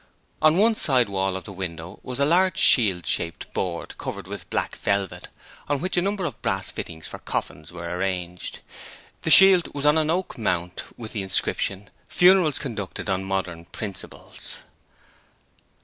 On one side wall of the window was a large shield shaped board covered with black velvet on which a number of brass fittings for coffins were arranged. The shield was on an oak mount with the inscription: 'Funerals conducted on modern principles'.